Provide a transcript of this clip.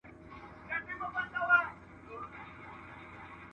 د پښتو د غني کولو لپاره باید د پخوانیو ديوانونو مطالعه وسو.